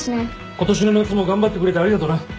今年の夏も頑張ってくれてありがとな。